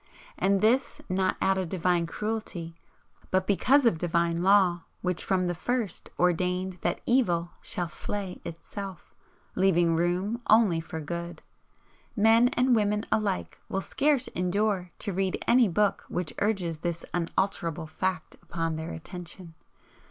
And this not out of Divine cruelty, but because of Divine Law which from the first ordained that Evil shall slay Itself, leaving room only for Good. Men and women alike will scarce endure to read any book which urges this unalterable fact upon their attention.